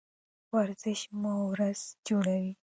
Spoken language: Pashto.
ورزش مو ورځ جوړوي.